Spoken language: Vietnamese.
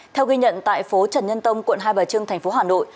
theo ghi nhận tại phố trần nhân tông quận hai bà trưng thành phố hà nội